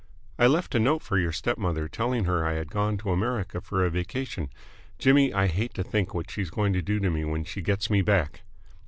"I left a note for your step mother telling her I had gone to America for a vacation. Jimmy, I hate to think what she's going to do to me when she gets me back!"